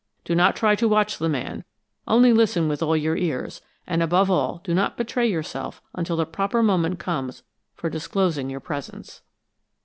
Do not try to watch the man only listen with all your ears; and above all do not betray yourself until the proper moment comes for disclosing your presence."